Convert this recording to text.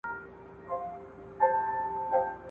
د ټپې په رزم اوس هغه ده پوه شوه